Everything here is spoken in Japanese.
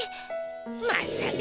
まっさか。